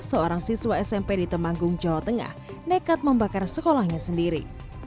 seorang siswa smp di temanggung jawa tengah nekat membakar sekolahnya sendiri